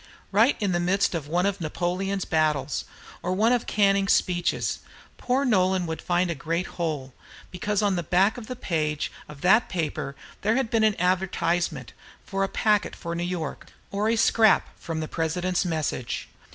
Right in the midst of one of Napoleon's battles, or one of Canning's speeches, poor Nolan would find a great hole, because on the back of the page of that paper there had been an advertisement of a packet for New York, or a scrap from the President's message.